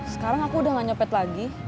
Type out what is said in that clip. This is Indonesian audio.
sekarang aku udah gak nyepet lagi